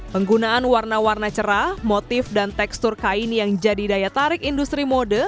penggunaan warna warna cerah motif dan tekstur kain yang jadi daya tarik industri mode